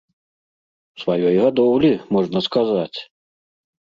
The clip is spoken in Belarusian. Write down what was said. Сваёй гадоўлі, можна сказаць!